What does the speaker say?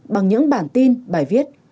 bằng những bản tin bài viết